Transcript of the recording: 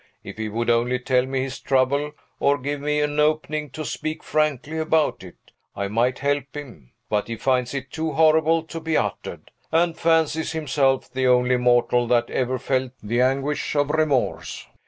If he would only tell me his trouble, or give me an opening to speak frankly about it, I might help him; but he finds it too horrible to be uttered, and fancies himself the only mortal that ever felt the anguish of remorse.